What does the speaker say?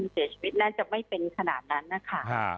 เสียชีวิตน่าจะไม่เป็นขนาดนั้นนะคะ